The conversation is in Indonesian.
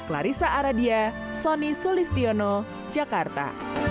dari sa'aradia sonny sulistiono jakarta